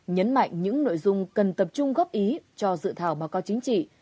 nhấn mạnh những nội dung cần tập trung góp ý cho dự thảo báo cáo chính trị